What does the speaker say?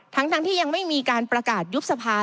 ทั้งที่ยังไม่มีการประกาศยุบสภา